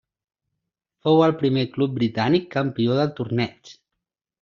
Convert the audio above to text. Fou el primer club britànic campió del torneig.